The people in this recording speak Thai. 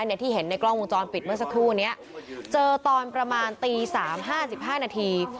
เนี่ยที่เห็นในกล้องวงจรปิดเมื่อสักครู่นี้เจอตอนประมาณตีสามห้าสิบห้านาที